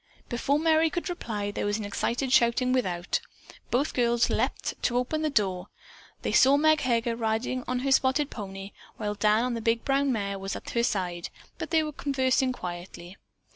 Before Merry could reply, there was an excited shouting without. Both girls leaped to the open door. They saw Meg Heger riding on her spotted pony, while Dan on the big brown mare was at her side, but they were conversing quietly.